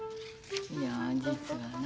いや実はな